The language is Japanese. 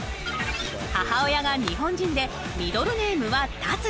母親が日本人でミドルネームはタツジ。